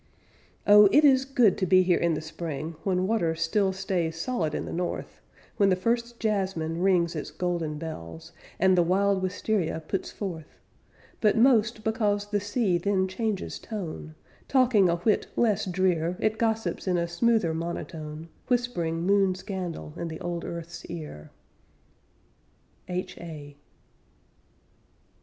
Oh! It is good to be here in the spring, When water still stays solid in the North, When the first jasmine rings its golden bells, And the "wild wistaria" puts forth; But most because the sea then changes tone; Talking a whit less drear, It gossips in a smoother monotone, Whispering moon scandal in the old earth's ear. H.A.